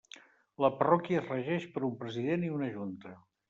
La parròquia es regeix per un President i una Junta.